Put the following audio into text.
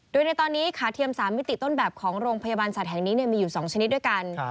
โดยในตอนนี้ขาเทียม๓มิติต้นแบบของโรงพยาบาลสัตว์แห่งนี้มีอยู่๒ชนิดด้วยกัน